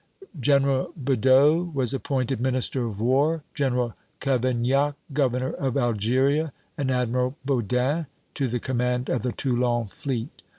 General Bedeau was appointed Minister of War, General Cavaignac Governor of Algeria, and Admiral Baudin to the command of the Toulon fleet.